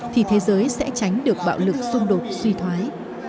thì thế giới sẽ tránh được bạo lực xung đột suy thoái